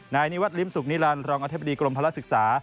นายนิวัตรริมศุกร์นิรันดร์รองอธิบดีกรมภาระศึกษา